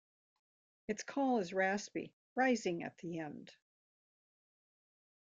Its call is raspy, rising at the end.